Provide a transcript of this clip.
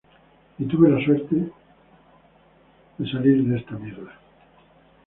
Y tuve la suerte de salga de esa mierda.